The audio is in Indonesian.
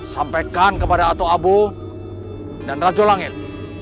sampaikan kepada atok abu dan raja langit